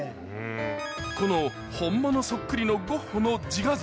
この本物そっくりのゴッホの自画像